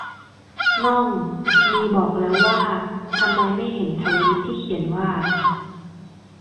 น่อง มีบอกแล้วว่าทำไมไม่เห็นทวีตที่เขียนว่า